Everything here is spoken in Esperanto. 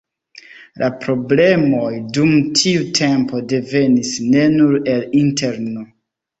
La problemoj dum tiu tempo devenis ne nur el interno.